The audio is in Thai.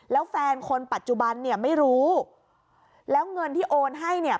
แล้วแฟนคนปัจจุบันเนี่ยไม่รู้แล้วเงินที่โอนให้เนี่ย